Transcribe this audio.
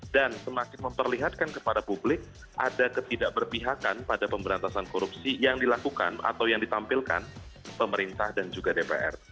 dan semakin memperlihatkan kepada publik ada ketidakberpihakan pada pemberantasan korupsi yang dilakukan atau yang ditampilkan pemerintah dan juga dpr